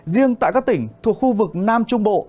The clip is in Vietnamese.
riêng tại các tỉnh thuộc khu vực nam trung bộ